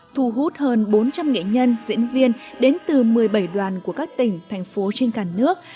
thu hút hơn bốn trăm linh nghệ nhân diễn viên đến từ một mươi bảy đoàn của các tỉnh thành phố trên cả nước